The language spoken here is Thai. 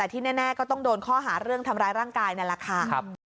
แต่ผมเลยยิ่งไปฟัน